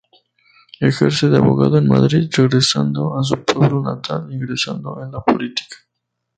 Ejerce de abogado en Madrid regresando a su pueblo natal ingresando en la política.